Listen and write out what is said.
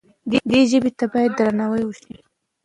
دې ژبې ته باید درناوی وشي.